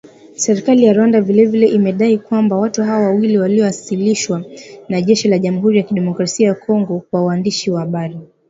Serikali ya Rwanda vile vile imedai kwamba watu hao wawili walioasilishwa na jeshi la jamuhuri ya kidemokrasia ya Kongo kwa waandishi wa habari